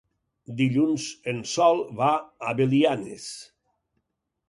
Dilluns en Sol va a Belianes.